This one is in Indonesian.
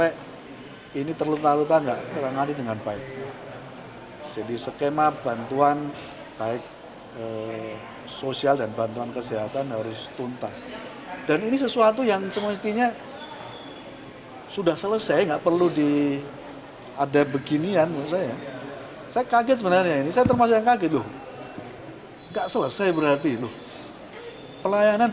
ketua komisi sepuluh dpr ri syaiful huda mengaku kaget karena hingga saat ini banyak korban tragedikan juruhan yang terlunta luta